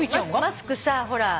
マスクさほら